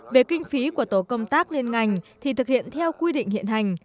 về kinh phí của tổ công tác liên ngành thì thực hiện theo quy định hiện hành